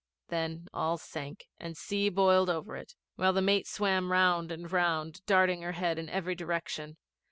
Then all sank, and sea boiled over it, while the mate swam round and round, darting her head in every direction.